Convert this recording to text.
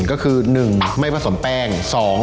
ก็คือ๑ไม่ผสมแป้ง